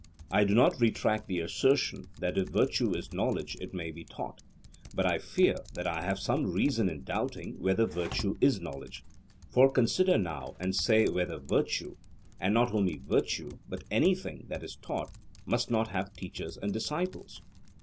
I do not retract the assertion that if virtue is knowledge it may be taught; but I fear that I have some reason in doubting whether virtue is knowledge: for consider now and say whether virtue, and not only virtue but anything that is taught, must not have teachers and disciples?